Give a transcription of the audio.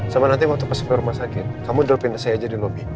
sama nanti waktu pesepi rumah sakit kamu dropin saya aja di lobby